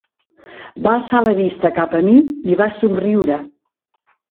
Va alçar la vista cap a mi i va somriure.